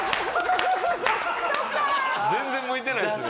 全然向いてないですね。